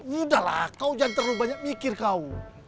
yaudahlah kau jangan terlalu banyak mikir kau